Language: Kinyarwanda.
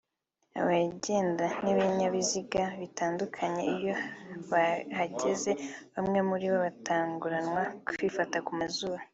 abagenda n’ibinyabiziga bitandukanye iyo bahageze bamwe muri bo batanguranwa kwipfuka ku mazuru